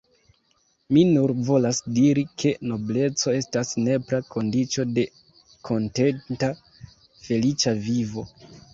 Mi nur volas diri, ke nobleco estas nepra kondiĉo de kontenta, feliĉa vivo.